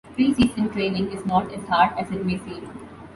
Pre-season training is not as hard as it may seem.